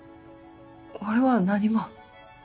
俺は何も。